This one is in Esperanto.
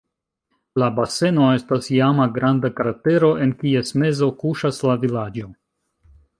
La baseno estas iama granda kratero, en kies mezo kuŝas la vilaĝo.